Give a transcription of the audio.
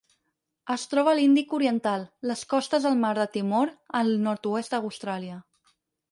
Es troba a l'Índic oriental: les costes del mar de Timor al nord-oest d'Austràlia.